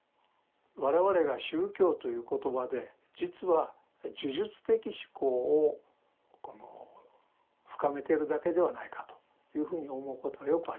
我々が宗教という言葉で実は呪術的思考を深めてるだけではないかというふうに思うことはよくあります。